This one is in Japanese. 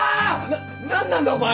な何なんだお前！？